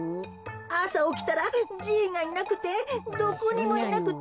あさおきたらじいがいなくてどこにもいなくて。